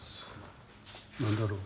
何だろう